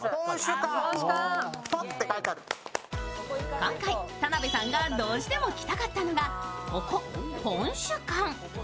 今回、田辺さんがどうしても来たかったのがここ、ぽんしゅ館。